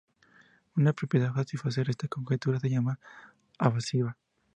Una propiedad satisfacer esta conjetura se llama evasiva.